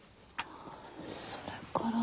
それから。